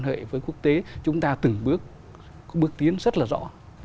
trong mối quan hệ với quốc tế chúng ta từng bước bước tiến rất là rõ